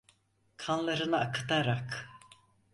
Kanlarını akıtarak!